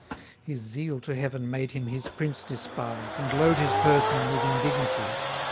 His zeal to heaven made him his prince despise, And load his person with indignities.